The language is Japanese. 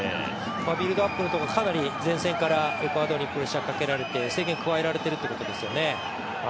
ビルドアップのところ、かなり前線からエクアドルにプレッシャーかけられて制限加えられてるってことですよね。